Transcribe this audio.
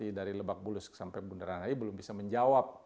dari lebak bulus sampai bundaran hi belum bisa menjawab